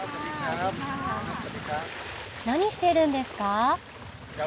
何してるんですか？